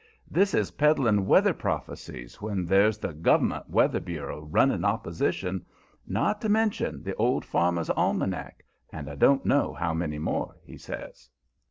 This is peddling weather prophecies when there's the Gov'ment Weather Bureau running opposition not to mention the Old Farmer's Almanac, and I don't know how many more," he says.